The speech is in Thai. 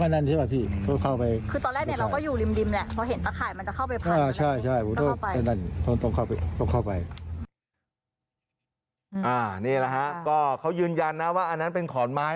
นี่แหละฮะก็เขายืนยันนะว่าอันนั้นเป็นขอนไม้